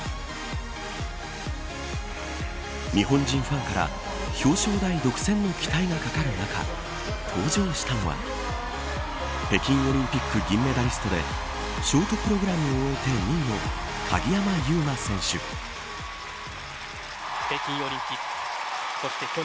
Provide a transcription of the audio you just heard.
日本人ファンから表彰台独占の期待がかかる中登場したのは北京オリンピック銀メダリストでショートプログラムを終えて２位北京オリンピックそして。